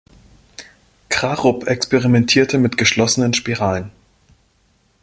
Krarup experimentierte mit geschlossenen Spiralen.